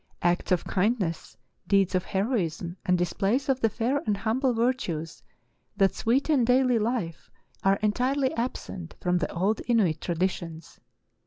Acts of kindness, deeds of heroism, and displays of the fair and humble virtues that sweeten daily life are entirely absent from the old Inuit traditions.